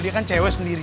dia kan cewek sendirian